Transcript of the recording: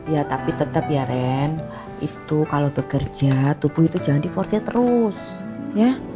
ya tapi tetap ya ren itu kalau bekerja tubuh itu jangan diforce terus ya